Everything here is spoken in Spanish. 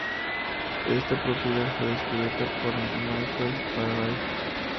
Esta propiedad fue descubierta por Michael Faraday.